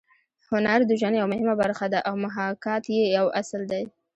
هنر د ژوند یوه مهمه برخه ده او محاکات یې یو اصل دی